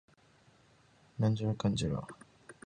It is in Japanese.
北海道大樹町